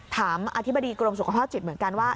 อธิบดีกรมสุขภาพจิตเหมือนกันว่า